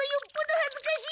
はずかしい！